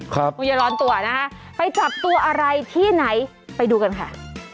คุณอย่าร้อนตัวนะคะไปจับตัวอะไรที่ไหนไปดูกันค่ะ